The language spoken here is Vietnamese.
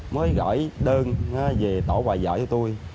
mới gửi đơn về tổ quà giải cho tôi